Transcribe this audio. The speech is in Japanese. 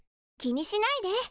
気にしないで。